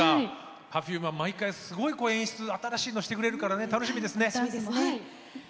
Ｐｅｒｆｕｍｅは毎回すごい演出で新しいことをしてくれるから楽しみですね。